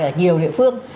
ở nhiều địa phương